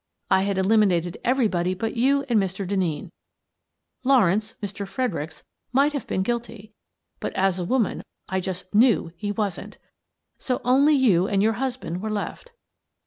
I had eliminated everybody but you and Mr. Denneen. Lawrence — Mr. Fredericks — might have been guilty, but, as a woman, I just knew he wasn't ! So only you and your husband were left.